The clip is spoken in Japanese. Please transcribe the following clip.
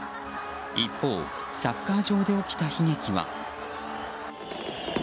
一方、サッカー場で起きた悲劇は。